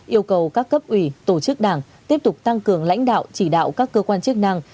yêu cầu các cấp ủy tổ chức đảng tiếp tục tăng cường lãnh đạo chỉ đạo các cơ quan chức năng